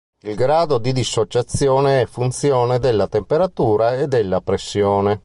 Il grado di dissociazione è funzione della temperatura e della pressione.